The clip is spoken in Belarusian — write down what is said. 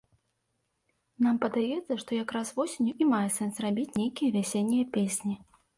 Нам падаецца, што як раз восенню і мае сэнс рабіць нейкія вясеннія песні.